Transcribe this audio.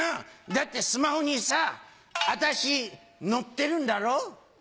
「だってスマホにさ私載ってるんだろう？」。